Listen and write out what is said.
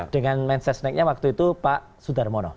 dengan mensesneknya waktu itu pak sudarmono